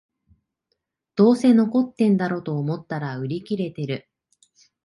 どうせ残ってんだろと思ったら売り切れてる